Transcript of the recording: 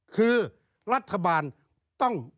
คือรัฐบาลต้อง